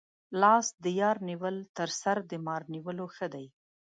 لاس د یار نیول تر سر د مار نیولو ښه دي.